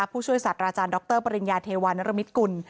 ผู้ช่วยศาสตราจารย์ดรปริญญาเทวานรมิตกุล